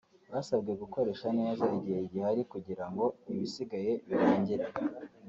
basabwe gukoresha neza igihe giharikugira ngo ibisigaye birangire